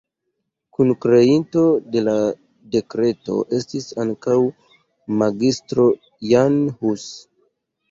Kunkreinto de la dekreto estis ankaŭ Magistro Jan Hus.